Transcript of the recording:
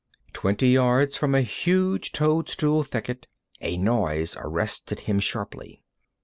Twenty yards from a huge toadstool thicket a noise arrested him sharply.